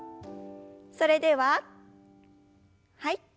それでははい。